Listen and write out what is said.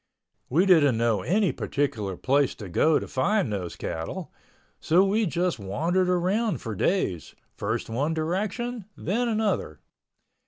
We didn't know any particular place to go to find those cattle, so we just wandered around for days, first one direction, then another.